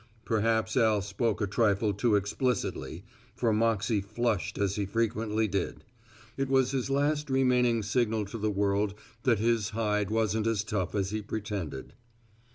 Perhaps Al spoke a trifle too explicitly, for Moxey flushed as he frequently did. It was his last remaining signal to the world that his hide wasn't as tough as he pretended.